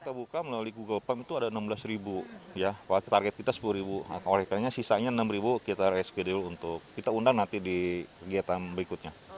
kita buka melalui google pump itu ada enam belas target kita sepuluh oleh karena sisanya enam ribu kita reschedule untuk kita undang nanti di kegiatan berikutnya